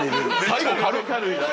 最後軽っ！